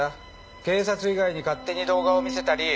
警察以外に勝手に動画を見せたり。